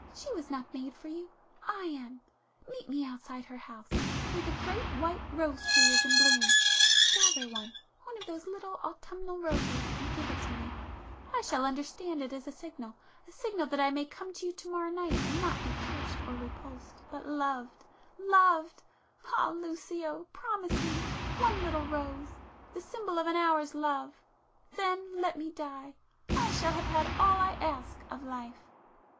She was not made for you—I am! Meet me outside her house, where the great white rose tree is in bloom—gather one,—one of those little autumnal roses and give it to me—I shall understand it as a signal—a signal that I may come to you to morrow night and not be cursed [p 369] or repulsed, but loved,—loved!—ah Lucio! promise me!—one little rose!—the symbol of an hour's love!—then let me die; I shall have had all I ask of life!"